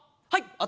はい！